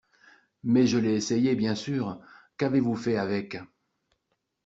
Mais je l’ai essayé bien sûr. Qu’avez-vous fait avec?